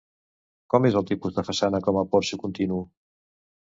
Com és el tipus de façana com a porxo continu?